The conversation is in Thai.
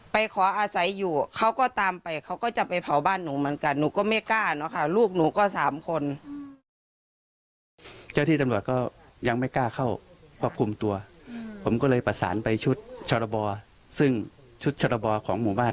ไปขออาศัยอยู่เขาก็ตามไปเขาก็จะไปเผาบ้านหนูเหมือนกัน